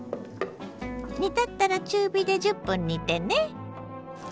煮立ったら中火で１０分煮てね。